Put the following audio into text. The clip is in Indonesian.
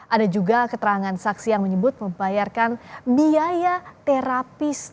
ada juga keterangan saksi yang menyebut membayarkan biaya terapi stem cell